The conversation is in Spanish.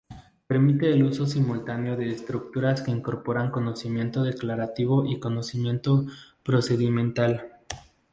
Permite el uso simultáneo de estructuras que incorporan conocimiento declarativo y conocimiento procedimental.